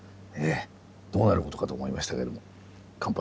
どうなることかと思いましたけども乾杯！